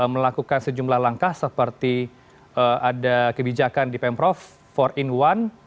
melakukan sejumlah langkah seperti ada kebijakan di pemprov empat in satu